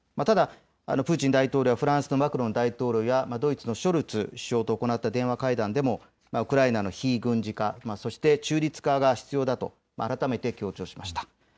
ただ、プーチン大統領やフランスのマクロン大統領やドイツのショルツ首相と行った電話会談でもウクライナの非軍事化、そして中立化が必要だと改めて強調しました。